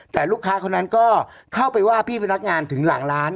แต่ลูกค้าคนนั้นก็เข้าไปว่าพี่พนักงานถึงหลังร้าน